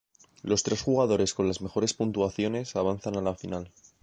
Los tres jugadores con las mejores puntuaciones avanzan a la final.